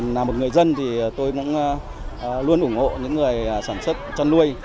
nào một người dân thì tôi muốn luôn ủng hộ những người sản xuất chăn nuôi